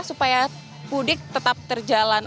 supaya pudik tetap terjalan